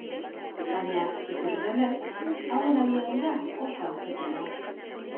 Baina, ikusi denez, hauen abiadura oso antzekoa da.